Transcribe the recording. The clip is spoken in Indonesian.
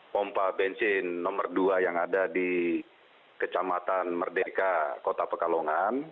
pompa bensin nomor dua yang ada di kecamatan merdeka kota pekalongan